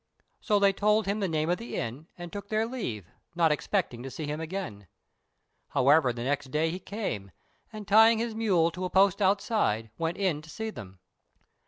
So they told him the name of the inn, and took their leave, not expecting to see him again. However, the next day he came, and, tying his mule to a post outside, went in to see them.